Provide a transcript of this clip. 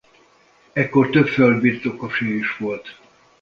Ekkor több földbirtokosé is volt.